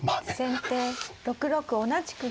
先手６六同じく銀。